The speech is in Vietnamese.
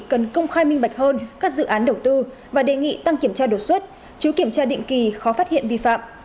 cần công khai minh bạch hơn các dự án đầu tư và đề nghị tăng kiểm tra đột xuất chiếu kiểm tra định kỳ khó phát hiện vi phạm